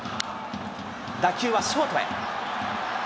打球はショートへ。